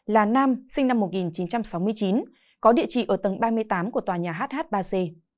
là nam sinh năm một nghìn chín trăm sáu mươi chín có địa chỉ ở tầng ba mươi tám của tòa nhà hh ba c